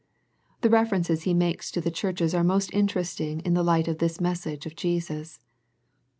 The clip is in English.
The references he makes to the church are most interesting in the light of this message of Jesus.